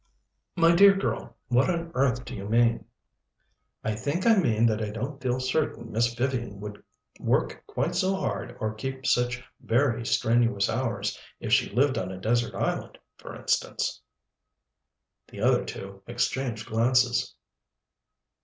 "My dear girl, what on earth do you mean?" "I think I mean that I don't feel certain Miss Vivian would work quite so hard or keep such very strenuous hours if she lived on a desert island, for instance." The other two exchanged glances.